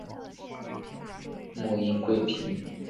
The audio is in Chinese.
母殷贵嫔。